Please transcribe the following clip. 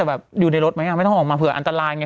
แบบอยู่ในรถไหมไม่ต้องออกมาเผื่ออันตรายไง